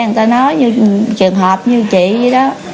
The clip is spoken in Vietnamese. người ta nói như trường hợp như chị vậy đó